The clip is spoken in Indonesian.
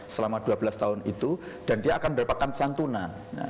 selama dua belas tahun itu dan dia akan mendapatkan santunan